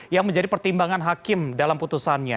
yang menjadi pertimbangan hakim dalam putusannya